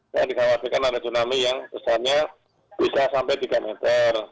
yang dikhawatirkan ada tsunami yang besarnya bisa sampai tiga meter